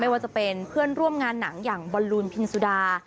ว่าจะเป็นเพื่อนร่วมงานหนังอย่างบอลลูนพินสุดา